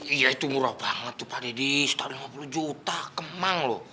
iya itu murah banget tuh pak deddy setelah lima puluh juta kemang loh